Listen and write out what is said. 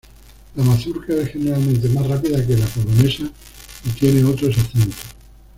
La mazurca es generalmente más rápida que la polonesa y tiene otros acentos.